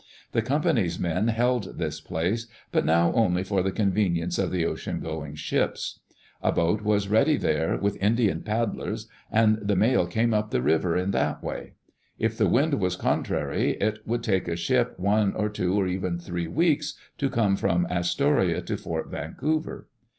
The Com pany's men held this place, but now only for the conven ience of the ocean going ships. A boat was ready there, with Indian paddlers, and the mail came up the river in that way. If the wind was contrary, it would take a ship one or two or even three weeks to come from Astoria to Fort Vancouver.